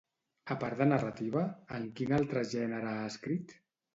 A part de narrativa, en quin altre gènere ha escrit?